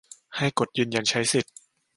ให้กดยืนยันใช้สิทธิ